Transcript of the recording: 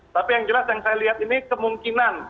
tapi yang jelas yang saya lihat ini kemungkinan